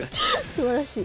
すばらしい。